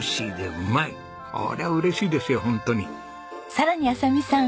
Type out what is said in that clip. さらに亜沙美さん